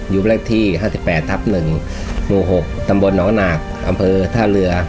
อยู่แรกที่๕๘ทัพ๑ม๖ตำบลน้องหนากอำเภอท่าเรือ